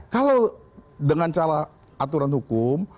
kalau dengan cara aturan hukum